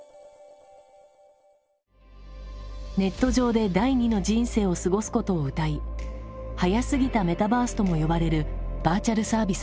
ネット上で「第二の人生」を過ごすことをうたい早すぎたメタバースとも呼ばれるバーチャルサービスだ。